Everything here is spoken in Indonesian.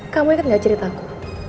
kamu inget gak ceritaku